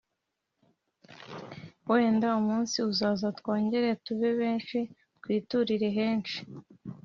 Wenda umunsi uzaza Twongere tube benshi Twiturire henshi.